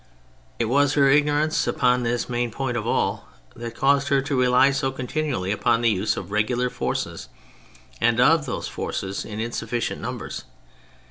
It w^as her ignorance upon this main point of all that caused her to rely so continually upon the use of the regular forces, and of those forces in insufficient numbers.